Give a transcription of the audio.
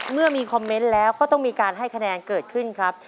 เมื่อมีคอมเมนต์แล้วก็ต้องมีการให้คะแนนเกิดขึ้นครับ